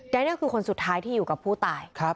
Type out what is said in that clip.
เนอร์คือคนสุดท้ายที่อยู่กับผู้ตาย